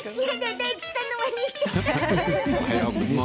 大吉さんのまねしちゃった。